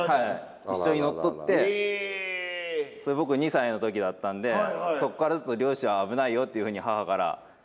それ僕２歳の時だったんでそっからずっと漁師は危ないよっていうふうに母から育てられてたんで。